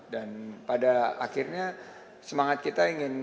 dan pada akhirnya semangat kita ingin